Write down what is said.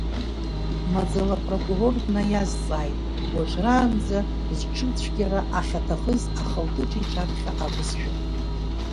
Маӡала апрокурор днаиазҵааит, уажәраанӡа зҽырцәгьара ахьа-ҭахыз ахылтыҿ иҿаԥхьа акәызшәа.